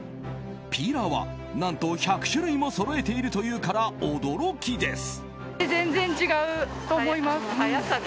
ピーラーは何と１００種類もそろえているというから驚きです。